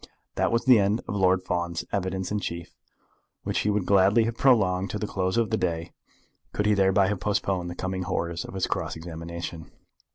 That was the end of Lord Fawn's evidence in chief, which he would gladly have prolonged to the close of the day could he thereby have postponed the coming horrors of his cross examination.